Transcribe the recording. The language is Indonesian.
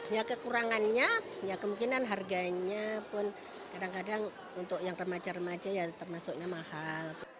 ya kekurangannya ya kemungkinan harganya pun kadang kadang untuk yang remaja remaja ya termasuknya mahal